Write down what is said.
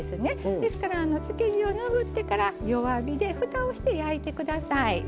ですから漬け地を拭ってから弱火でふたをして焼いて下さい。